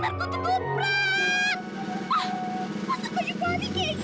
ah pas aku nyu barbie kayak gini sih